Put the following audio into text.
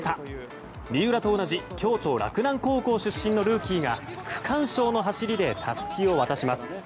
三浦と同じ京都・洛南高校出身のルーキーが区間賞の走りでたすきを渡します。